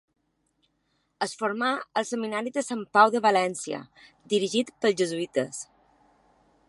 Es formà al Seminari de Sant Pau de València, dirigit pels jesuïtes.